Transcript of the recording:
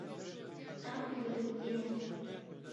Em dibizdînin.